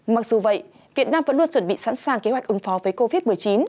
mặc dù vậy việt nam vẫn luôn chuẩn bị sẵn sàng kế hoạch ứng phó với covid một mươi chín